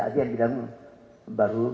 dan baru seratus tahun